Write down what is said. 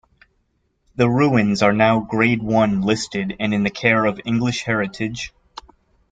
The ruins are now Grade One listed and in the care of English Heritage.